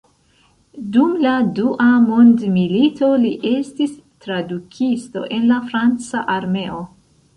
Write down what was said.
Dum la dua mondmilito li estis tradukisto en la franca armeo.